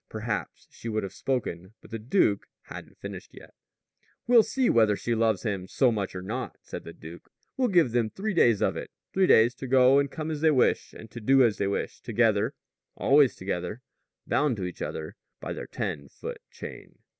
Perhaps she would have spoken. But the duke hadn't finished yet. "We'll see whether she loves him so much or not," said the duke. "We'll give them three days of it three days to go and come as they wish and to do as they wish together always together bound to each other by their ten foot chain."